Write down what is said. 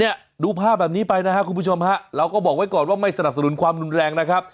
เนี่ยดูภาพแบบนี้ไปนะครับคุณผู้ชมฮะเราก็บอกไว้ก่อนว่าไม่สนับสนุนความรุนแรงนะครับ